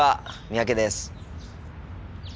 三宅です。